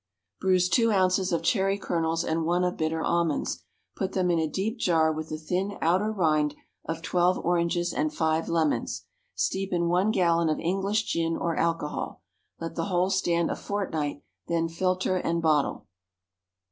_ Bruise two ounces of cherry kernels and one of bitter almonds; put them in a deep jar with the thin outer rind of twelve oranges and five lemons. Steep in one gallon of English gin or alcohol. Let the whole stand a fortnight, then filter and bottle.